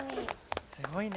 すごいね。